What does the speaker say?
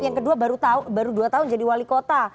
yang kedua baru dua tahun jadi wali kota